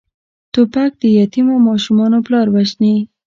توپک د یتیمو ماشومانو پلار وژني.